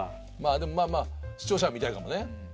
でもまあまあ視聴者は見たいかもね。